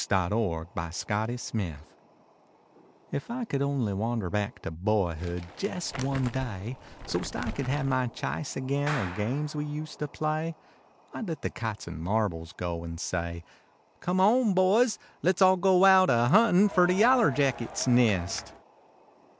THE YALLER JACKETS NEST I f I could only wander back To boyhood jest one day, So st I could have my chice agin Of games we used to play, I d let the kites an marbles go, An say, "Come on boys! let s All go out a huntin fer The yaller jackets nest."